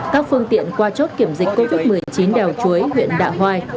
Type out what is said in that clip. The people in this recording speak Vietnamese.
các phương tiện qua chốt kiểm dịch covid một mươi chín đèo chuối huyện đạo hoài